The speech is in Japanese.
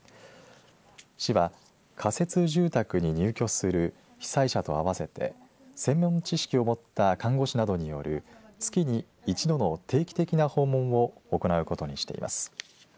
市は仮設住宅に入居する被災者と合わせて専門知識を持った看護師などによる月に一度の定期的な訪問を行うことにしています。